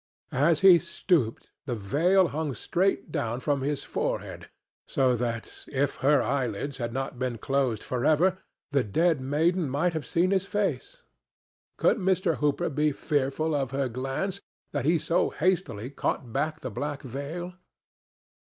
As he stooped the veil hung straight down from his forehead, so that, if her eye lids had not been closed for ever, the dead maiden might have seen his face. Could Mr. Hooper be fearful of her glance, that he so hastily caught back the black veil?